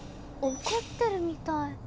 怒ってるみたい。